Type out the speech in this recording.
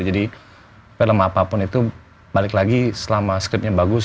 jadi film apapun itu balik lagi selama scriptnya bagus